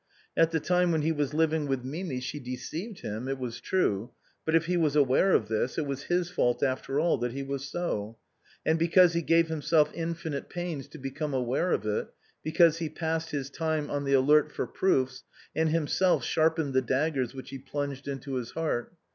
At the time when he was living with Mimi she deceived him, it was true, but if he was aware of this it was his fault after all that he was so, and because he gave himself infinite pains to become aware of it, because he passed his time on the alert for proofs, and himself sharpened the daggers which he plunged into his heart.